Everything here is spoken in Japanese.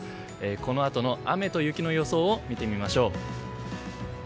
このあとの雨と雪の予想を見てみましょう。